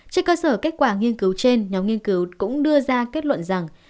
trên cơ sở kết quả nghiên cứu trên nhóm nghiên cứu cũng đưa ra kết luận rằng